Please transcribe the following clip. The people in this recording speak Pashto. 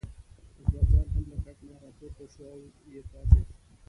اکبرجان هم له کټ نه راپورته شو او یې پاڅېد.